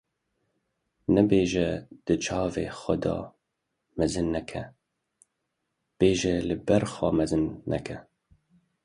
Nebêje di çavê xwe de mezin neke. Bêje li ber xwe mezin neke